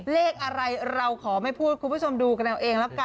เลขอะไรเราขอไม่พูดคุณผู้ชมดูกันเอาเองแล้วกัน